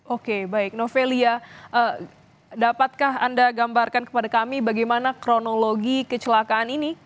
oke baik novelia dapatkah anda gambarkan kepada kami bagaimana kronologi kecelakaan ini